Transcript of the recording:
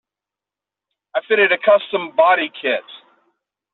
I fitted a custom body kit.